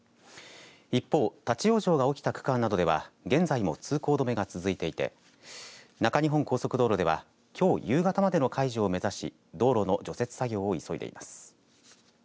一方、立往生が起きた区間などでは現在も通行止めが続いていて中日本高速道路ではきょう夕方までの解除を目指し道路の除雪作業を急いでいます。